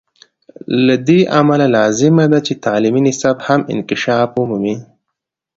له دې امله لازمه ده چې تعلیمي نصاب هم انکشاف ومومي.